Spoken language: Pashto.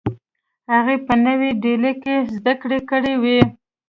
هغه په نوې ډیلي کې زدکړې کړې وې